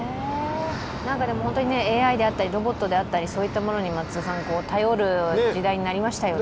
ＡＩであったりロボットであったりに頼る時代になりましたよね。